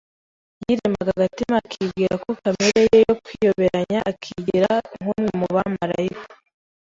Yiremaga agatima akibwira ko kamere ye yo kwiyoberanya akigira nk’umwe mu bamarayika